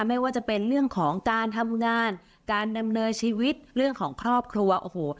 ไม่ว่าจะเป็นเรื่องของการทำงานการดำเนินชีวิตเรื่องของครอบครัวโอ้โห